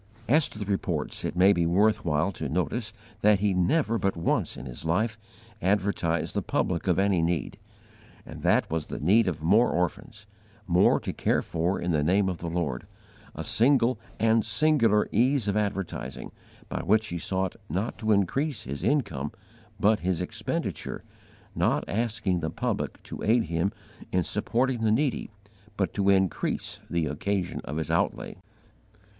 As to the Reports, it may be worth while to notice that he never but once in his life advertised the public of any need, and that was the need of more orphans more to care for in the name of the Lord a single and singular ease of advertising, by which he sought not to increase his income, but his expenditure not asking the public to aid him in supporting the needy, but to increase the occasion of his outlay!